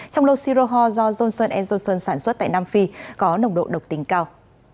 trong lô siroho do johnson johnson sản xuất tại nam phi có nồng độ độc tính cao